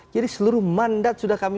jadi seluruh mandat sudah kami